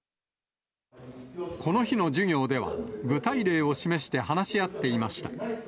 この日の授業では、具体例を示して話し合っていました。